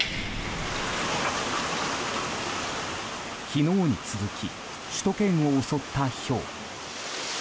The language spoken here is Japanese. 昨日に続き首都圏を襲ったひょう。